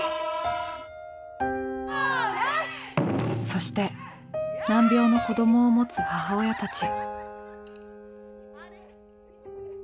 そして難病の子供をもつ母親たち。